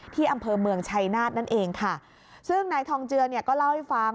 ที่อำเภอเมืองชัยนาธนั่นเองค่ะซึ่งนายทองเจือเนี่ยก็เล่าให้ฟัง